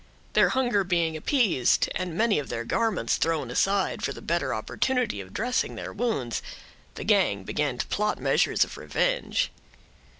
Their hunger being appeased, and many of their garments thrown aside for the better opportunity of dressing their wounds, the gang began to plot measures of revenge.